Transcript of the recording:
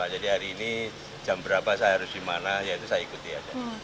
jadi hari ini jam berapa saya harus dimana ya itu saya ikuti aja